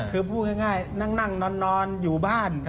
คือพูดง่ายนั่งนอนอยู่บ้าน